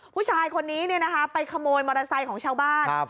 ผู้ชายคนนี้ไปขโมยมอเตอร์ไซค์ของชาวบ้าน